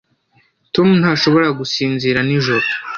Tom ntashobora gusinzira nijoro